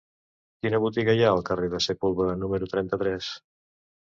Quina botiga hi ha al carrer de Sepúlveda número trenta-tres?